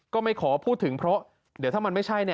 ไม่ขอพูดถึงเพราะเดี๋ยวถ้ามันไม่ใช่